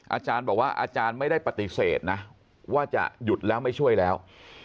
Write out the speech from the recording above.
อาจารย์บอกว่าอาจารย์ไม่ได้ปฏิเสธนะว่าจะหยุดแล้วไม่ช่วยแล้ว